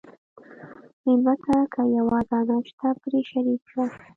مېلمه ته که یوه دانه شته، پرې شریک شه.